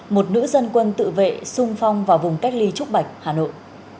một nữ dân quân tự vệ sung phong vào vùng cách ly trúc bạch hà nội